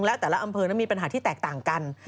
แล้วแต่ละอำเภอนั้นมีปัญหาที่แตกต่างกัน